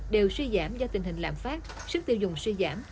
đều suy giảm do tình hình lạm phát sức tiêu dùng suy giảm